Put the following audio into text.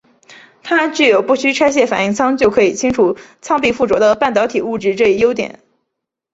它具有不需拆卸反应舱就可以清除舱壁附着的半导体物质这一优点。